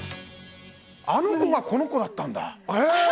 あの子がこの子だったんだ！